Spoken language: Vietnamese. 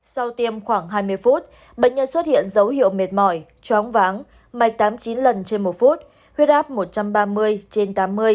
sau tiêm khoảng hai mươi phút bệnh nhân xuất hiện dấu hiệu mệt mỏi chóng váng mạch tám mươi chín lần trên một phút huyết áp một trăm ba mươi trên tám mươi